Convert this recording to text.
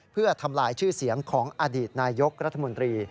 เพื่อทำลายชื่อเสียงของอดีตนายกรัฐมนตรี